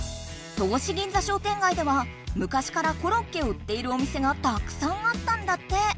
戸越銀座商店街ではむかしからコロッケを売っているお店がたくさんあったんだって。